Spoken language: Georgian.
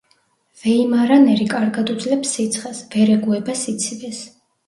ვეიმარანერი კარგად უძლებს სიცხეს, ვერ ეგუება სიცივეს.